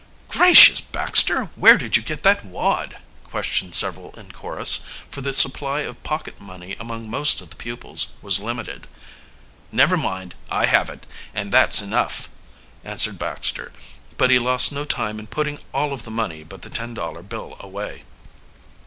"Gracious, Baxter, where did you get that wad?" questioned several in chorus, for the supply of pocket money among most of the pupils was limited. "Never mind I have it, and that's enough," answered Baxter, but he lost no time in putting all of the money but the ten dollar bill away.